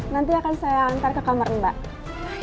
nanti akan saya antar ke kamar mbak